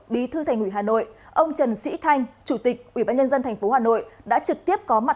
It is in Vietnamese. bí thư thành ủy hà nội ông trần sĩ thanh chủ tịch ubnd tp hà nội đã trực tiếp có mặt